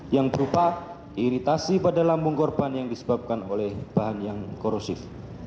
yang berupa iritasi pada lambung korban yang disebabkan oleh bahan yang korosif